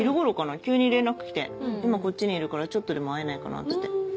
急に連絡来て今こっちにいるからちょっとでも会えないかなって。